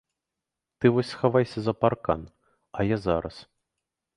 Ты вось схавайся за паркан, а я зараз.